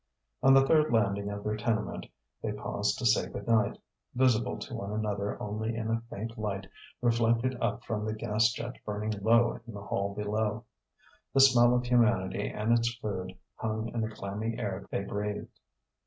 On the third landing of their tenement they paused to say good night, visible to one another only in a faint light reflected up from the gas jet burning low in the hall below. The smell of humanity and its food hung in the clammy air they breathed.